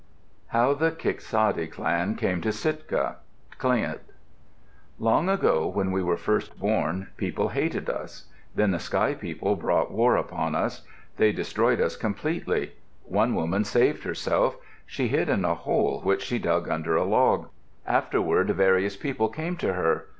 HOW THE KIKSADI CLAN CAME TO SITKA Tlingit Long ago, when we were first born, people hated us. Then the Sky People brought war upon us. They destroyed us completely. One woman saved herself; she hid in a hole which she dug under a log. Afterward various people came to her.